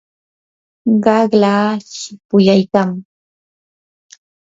qaqlaa shipuyaykam.